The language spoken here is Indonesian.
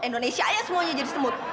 indonesia aja semuanya jadi smooth